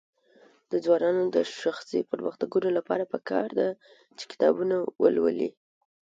د ځوانانو د شخصي پرمختګ لپاره پکار ده چې کتابونه ولولي.